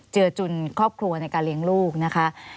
จุนครอบครัวในการเลี้ยงลูกนะคะ